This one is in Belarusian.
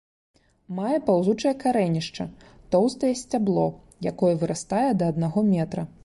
Мае паўзучае карэнішча, тоўстае сцябло, якое вырастае да аднаго метра.